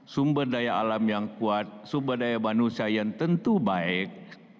sumber daya alam yang kuat sumber daya manusia yang tentu baik